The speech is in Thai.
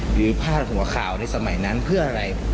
พาดหัวข่าวในสมัยนั้นเพื่ออะไร